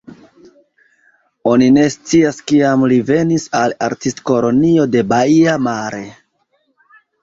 Oni ne scias, kiam li venis al Artistkolonio de Baia Mare.